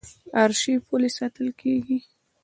ارشیف ولې ساتل کیږي؟